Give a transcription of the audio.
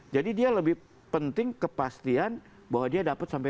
jadi dia lebih penting kepastian bahwa dia dapat sampai dua ribu empat puluh satu